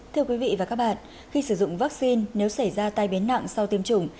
thưa quý vị và các bạn khi sử dụng vaccine nếu xảy ra tai biến nặng sau tiêm chủng